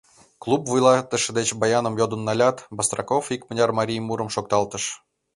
Клуб вуйлатыше деч баяным йодын налят, Бастраков икмыняр марий мурым шокталтыш.